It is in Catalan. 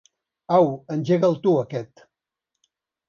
Au, engega'l tu, aquest.